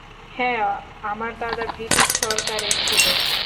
হ্যাঁ, আমার দাদা ব্রিটিশ সরকারে ছিলো।